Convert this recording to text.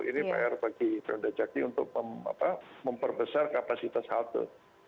ini bayar bagi peranda cakri untuk memperbesar kapasitas halte